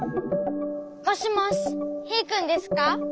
もしもしヒーくんですか？